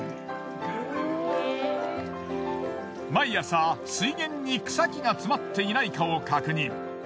毎朝水源に草木が詰まっていないかを確認。